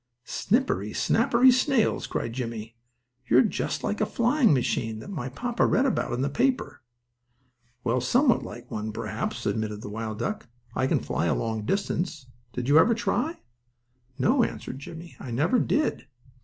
"Snippery, snappery snails!" cried Jimmie, "you're just like a flying machine that my papa read about in the paper." "Well, somewhat like one, perhaps," admitted the wild duck. "I can fly a long distance. Did you ever try?" "No," answered Jimmie; "I never did."